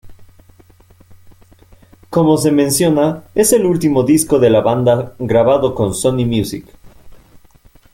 Como se menciona, es el último disco de la banda grabado con Sony Music.